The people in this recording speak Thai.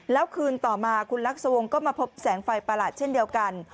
แล้วคืนต่อมาคุณลักษวงศ์ก็มาพบแสงไฟประหลาดเช่นเดียวกัน